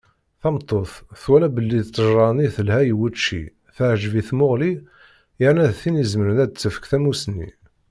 Tameṭṭut twala belli ṭṭejṛa-nni telha i wučči, teɛǧeb i tmuɣli, yerna d tin izemren ad d-tefk tamusni.